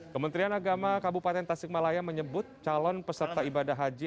kementerian agama kabupaten tasikmalaya menyebut calon peserta ibadah haji